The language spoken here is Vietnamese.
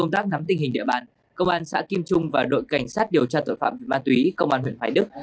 trung và đội cảnh sát điều tra tội phạm ma túy công an huyện hoài đức